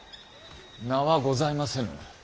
名はございませぬ。